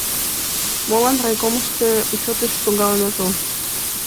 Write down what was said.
— Молан райкомышто учётыш шогалын отыл?